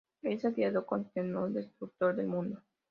Es el Creador, Sostenedor y Destructor del mundo.